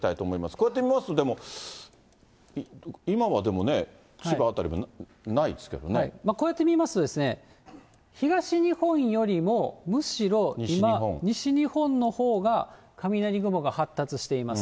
こうやって見ますと、でも、今はでもね、こうやって見ますと、東日本よりもむしろ今、西日本のほうが雷雲が発達しています。